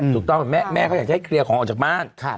ถูกต้องแม่เขาอยากจะให้เคลียร์ของออกจากบ้าน